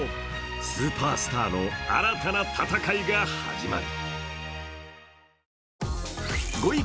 スーパースターの新たな戦いが始まる。